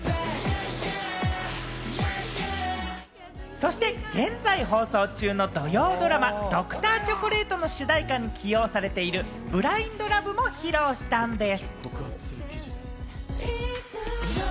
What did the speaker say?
そして現在放送中の土曜ドラマ『Ｄｒ．チョコレート』の主題歌に起用されている『ＢｌｉｎｄＬｏｖｅ』も披露したんです。